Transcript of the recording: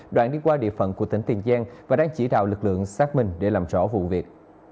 đoạn đi qua địa phận của tp hcm và đang chỉ đạo lực lượng xác minh để làm rõ vụ việc